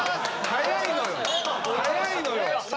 早いのよ！